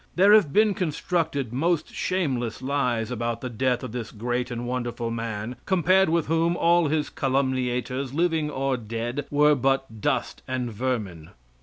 There have been constructed most shameless lies about the death of this great and wonderful man, compared with whom all his calumniators, living or dead, were but dust and vermin.